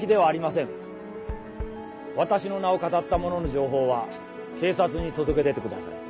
私の名をかたった者の情報は警察に届け出てください。